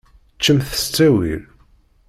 Ččemt s ttawil.